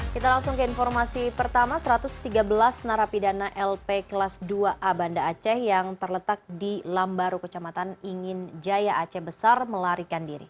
kita langsung ke informasi pertama satu ratus tiga belas narapidana lp kelas dua a banda aceh yang terletak di lambaru kecamatan ingin jaya aceh besar melarikan diri